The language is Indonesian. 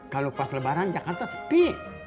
kalau pas lebaran jakarta sepi